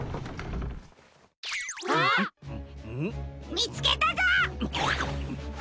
みつけたぞ！